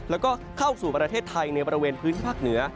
แล้วก็เข้าสู่ประเทศไทยในบริเวณพื้นที่ภาคเหนือ